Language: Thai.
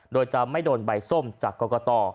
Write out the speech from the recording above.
โดยจะไม่โดนใบส้มจากกรกต